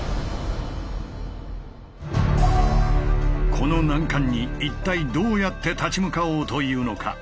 この難関に一体どうやって立ち向かおうというのか。